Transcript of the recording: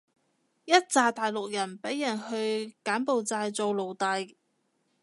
一柞大陸人畀人去柬埔寨做奴隸